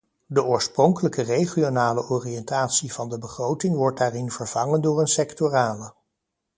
De oorspronkelijke regionale oriëntatie van de begroting wordt daarin vervangen door een sectorale.